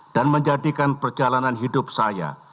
dan menjadikan perjalanan hidup saya